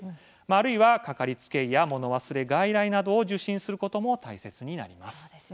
あるいは、かかりつけ医やもの忘れ外来などを受診することも大切になります。